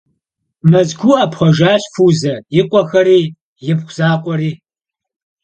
Мэзкуу ӏэпхъуэжащ Фузэ и къуэхэри, ипхъу закъуэри.